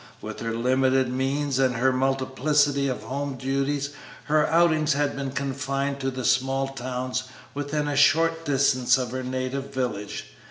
With her limited means and her multiplicity of home duties her outings had been confined to the small towns within a short distance of her native village.